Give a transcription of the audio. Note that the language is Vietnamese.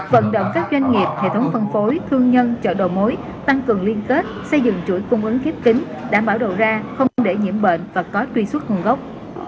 vận động các doanh nghiệp hệ thống phân phối thương nhân chợ đầu mối tăng cường liên kết xây dựng chuỗi cung ứng khép kính đảm bảo đầu ra không để nhiễm bệnh và có truy xuất nguồn gốc